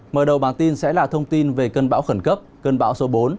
mở đầu bản tin sẽ là thông tin về cơn bão khẩn cấp cơn bão số bốn